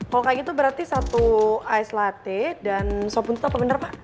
kalau kayak gitu berarti satu ice latte dan sop buntut apa bener pak